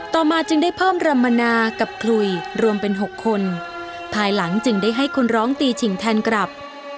ต่อมาจึงได้เพิ่มรำมนากับคลุยรวมเป็น๖คนภายหลังจึงได้ให้คนร้องตีฉิงแทนกลับ